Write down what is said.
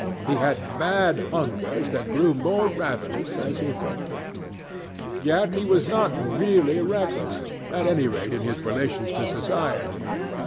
He had mad hungers that grew more ravenous as he fed them. Yet he was not really reckless, at any rate in his relations to society.